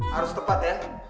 harus tepat ya